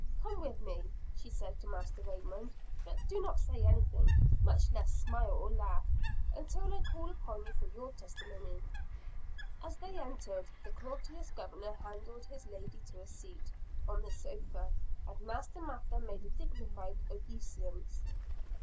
"Come with me," said she to Master Raymond; "but do not say anything much less smile or laugh until I call upon you for your testimony." As they entered, the courteous Governor handed his lady to a seat on the sofa; and Master Mather made a dignified obeisance.